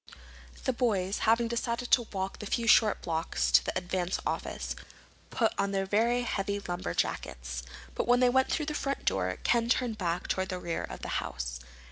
The boys, having decided to walk the few short blocks to the Advance office, put on their heavy lumberjackets. But when they went through the front door Ken turned back toward the rear of the house.